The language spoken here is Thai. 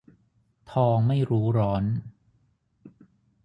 ทองไม่รู้ร้อน